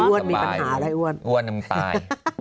อ้วนมีปัญหาเลย